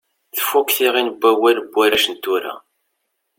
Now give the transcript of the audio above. Tfukk tiɣin n wawal n warrac n tura.